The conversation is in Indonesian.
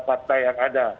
fakta yang ada